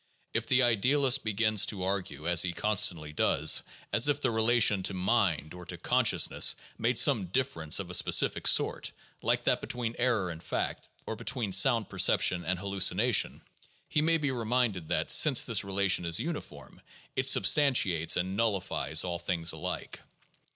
If the idealist begins to argue (as he constantly does) as if the relation to "mind" or to "consciousness" made some difference of a specific sort, like that between error and fact, or between sound perception and hal lucination, he may be reminded that, since this relation is uniform, it substantiates and nullifies all things alike.